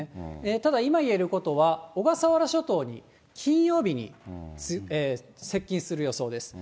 ただ、今、言えることは、小笠原諸島に金曜日に接近する予想です。